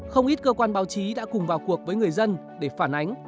không ít cơ quan báo chí đã cùng vào cuộc với người dân để phản ánh